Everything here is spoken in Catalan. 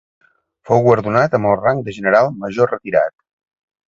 Fou guardonat amb el rang de General Major retirat.